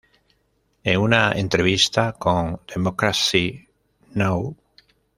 En una entrevista con "Democracy Now!